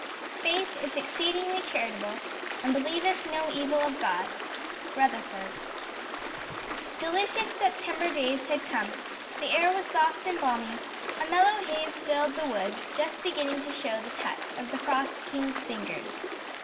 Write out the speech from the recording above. "Faith is exceedingly charitable and believeth no evil of God." Rutherford. Delicious September days had come; the air was soft and balmy; a mellow haze filled the woods, just beginning to show the touch of the Frost King's fingers.